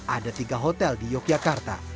ada tiga hotel di yogyakarta